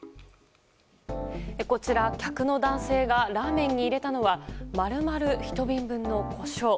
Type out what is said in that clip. こちら、客の男性がラーメンに入れたのは丸々１瓶分のコショウ。